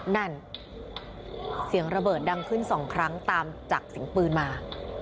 นั่นเสียงระเบิดดังขึ้น๒ครั้งตามจากเสียงปืนมา